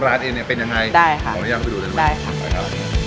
ร้านเองเนี่ยเป็นยังไงได้ค่ะขออนุญาตไปดูได้ไหมได้ค่ะ